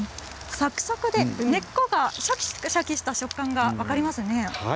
サクサクで根っこがシャキシャキした食感が分かりますね。